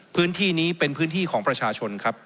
พื้นที่นี้เป็นพื้นที่ของประชาชนครับ